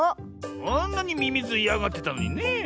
あんなにミミズいやがってたのにねえ。